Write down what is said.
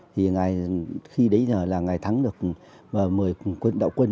thì ngày khi đấy là ngày thắng được một mươi đạo quân